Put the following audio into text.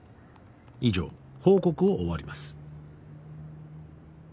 「以上報告を終わります」